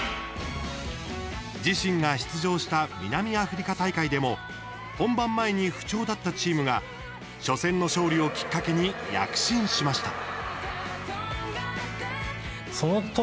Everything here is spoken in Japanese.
自身が出場した南アフリカ大会でも本番前に不調だったチームが初戦の勝利をきっかけに躍進しました。